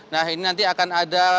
nah ini nanti akan ada